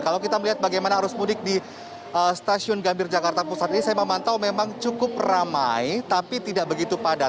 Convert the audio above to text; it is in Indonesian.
kalau kita melihat bagaimana arus mudik di stasiun gambir jakarta pusat ini saya memantau memang cukup ramai tapi tidak begitu padat